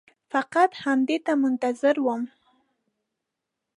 فقط همدې ته منتظر وم.